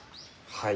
はい。